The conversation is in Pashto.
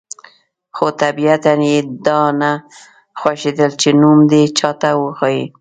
خو طبیعتاً یې دا نه خوښېدل چې نوم دې چاته وښيي.